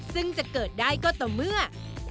ซึ่งจะเกิดได้ก็ต่อเมื่อ